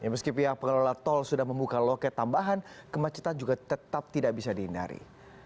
meski pihak pengelola tol sudah membuka loket tambahan kemacetan juga tetap tidak bisa dihindari